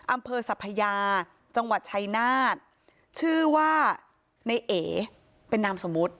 อำเภาศพญาจังหวัดชัยนาธิ์ชื่อว่าไอ๋เป็นนำนำสมุด